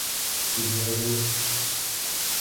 J’ai dû rêver...